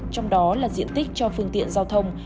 trong đó là diện tích cho phương tiện giao thông